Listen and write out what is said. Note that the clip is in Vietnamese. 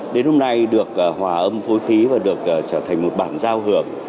đến hôm nay được hòa âm phối khí và được trở thành một bản giao hưởng